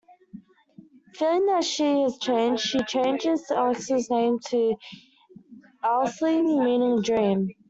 Feeling that she has changed, he changes Alexia's name to Aisling, meaning 'dream'.